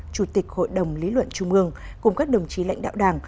chủ tịch hội đồng lý luận trung ương cùng các đồng chí lãnh đạo đảng